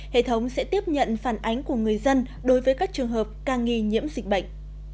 hệ thống sẽ tiếp nhận phản ánh của người dân đối với các trường hợp ca nghi nhiễm dịch bệnh